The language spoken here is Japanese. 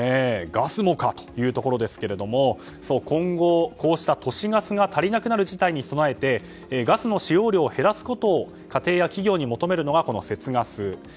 ガスもかというところですが今後、こうした都市ガスが足りなくなる事態に備えてガスの使用量を減らすことを家庭や企業に求めるのが節ガスです。